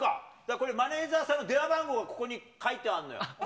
これ、マネージャーさんの電話番号がここに書いてあるのよ。